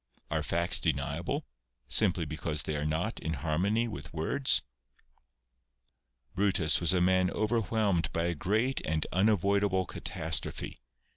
Are facts deniable, simply because they are not in harmony with words ? Brutus was a man overwhelmed by a great and unavoidable catastrophe.